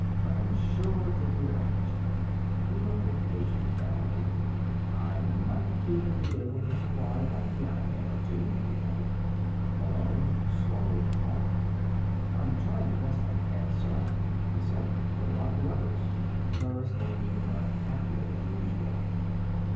I'm sure it could be arranged." He looked at the agent narrowly. "I might even be able to supply an FBI man or two," he added. Malone swallowed hard. "I'm trying the best I can, sir," he said. "What about the others?" Burris looked even unhappier than usual.